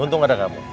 untung ada kamu